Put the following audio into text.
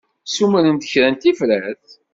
Ssumren-d kra n tifrat?